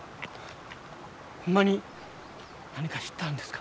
ほんまに何か知ってはるんですか？